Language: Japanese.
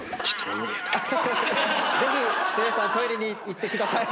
ぜひ剛さんトイレに行ってください。